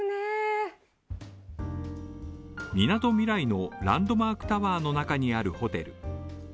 みなとみらいのランドマークタワーの中にあるホテル。